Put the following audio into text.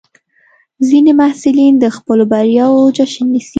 ځینې محصلین د خپلو بریاوو جشن نیسي.